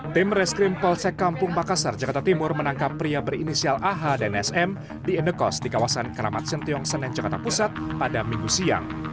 tim reskrim polsek kampung makassar jakarta timur menangkap pria berinisial ah dan sm di indekos di kawasan keramat sentiong senen jakarta pusat pada minggu siang